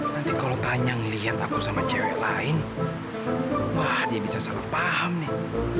nanti kalau tanya ngelihat aku sama cewek lain wah dia bisa salah paham nih